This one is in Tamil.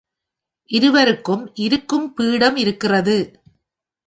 இருவருக்கும் இருக்கும் பீடம் இருக்கிறது.